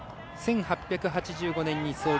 １８８５年に創立。